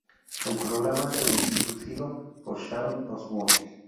El programa es conducido por Sharon Osbourne.